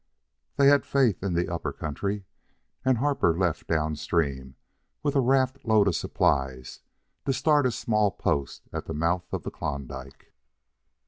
They had faith in the Upper Country, and Harper left down stream, with a raft load of supplies, to start a small post at the mouth of the Klondike.